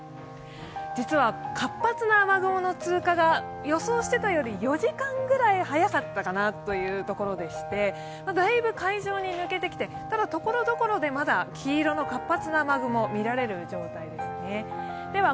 実は活発な雨雲の通過が予想していたより４時間ぐらい早かったかなというところでして、だいぶ海上に抜けてきて、ただ、ところどころでまだ黄色の活発な雨雲、見られる状態ですね。